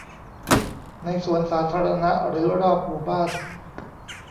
ในสวนสาธารณะหรือรอบหมู่บ้าน